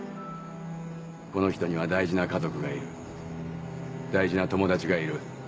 この人には大事な家族がいる大事な友達がいる。